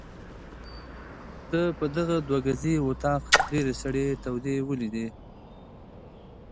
ده په دغه دوه ګزي وطاق ډېرې سړې تودې ولیدې.